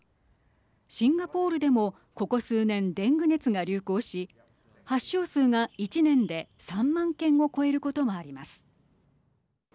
シンガポールでもここ数年、デング熱が流行し発症数が１年で３万件を超えることもあります。